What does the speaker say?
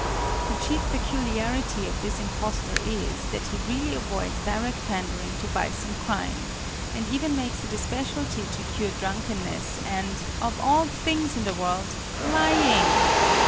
The chief peculiarity of this impostor is, that he really avoids direct pandering to vice and crime, and even makes it a specialty to cure drunkenness and of all things in the world lying!